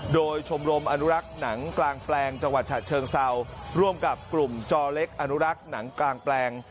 โดยชมรมอนุรักษ์หนังกลางแปลงจังหวัดฉะเชิงเซาร่วมกับกลุ่มจอเล็กอนุรักษ์หนังกลางแปลง